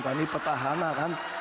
kami petahana kan